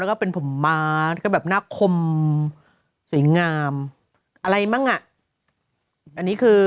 แล้วก็เป็นผมม้าก็แบบหน้าคมสวยงามอะไรบ้างอ่ะอันนี้คือ